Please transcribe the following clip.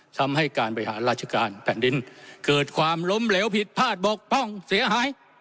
ทำให้การบริหารราชการแผ่นดินเกิดความล้มเหลวผิดพลาดบกพร่องเสียหาย